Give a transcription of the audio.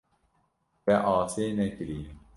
Te asê nekiriye.